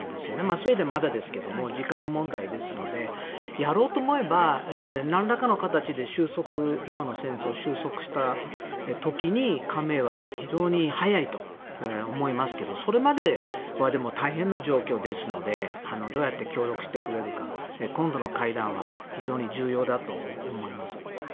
スウェーデンはまだですが時間の問題ですのでやろうと思えばなんらかの形で今の戦争が終息した時に加盟は非常に速いと思いますけどそれまでは大変な状況ですのでどうやって協力してくれるか今度の会談は非常に重要だと思います。